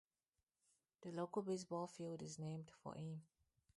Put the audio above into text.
The local baseball field is named for him.